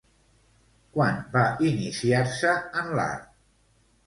Quan va iniciar-se en l'art?